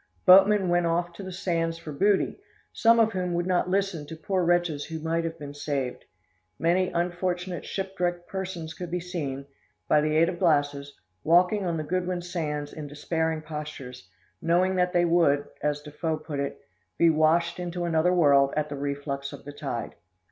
Boatmen went off to the sands for booty, some of whom would not listen to poor wretches who might have been saved. Many unfortunate shipwrecked persons could be seen, by the aid of glasses, walking on the Goodwin Sands in despairing postures, knowing that they would, as Defoe puts it, 'be washed into another world' at the reflux of the tide.